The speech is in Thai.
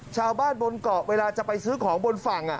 ชาวบ้านบนเกาะเวลาจะไปซื้อของบนฝั่ง